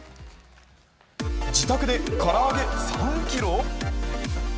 自宅でから揚げ３キロ？